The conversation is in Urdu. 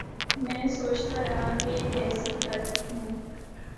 میں سوچتارہا کہ یہ کیسی کتب ہوں۔